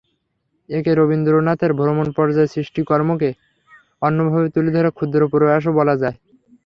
একে রবীন্দ্রনাথের ভ্রমণপর্যায়ের সৃষ্টিকর্মকে অন্যভাবে তুলে ধরার ক্ষুদ্র প্রয়াসও বলা যায়।